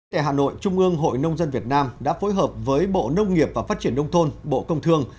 tại hà nội trung ương hội nông dân việt nam đã phối hợp với bộ nông nghiệp và phát triển nông thôn bộ công thương